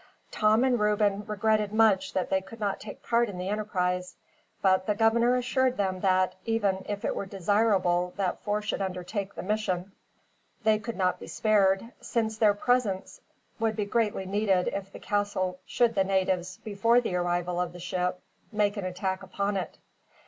Tom and Reuben regretted much that they could not take part in the enterprise; but the governor assured them that, even were it desirable that four should undertake the mission, they could not be spared, since their presence would be greatly needed in the castle should the natives, before the arrival of the ship, make an attack upon it.